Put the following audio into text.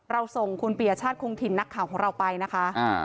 ส่งคุณปียชาติคงถิ่นนักข่าวของเราไปนะคะ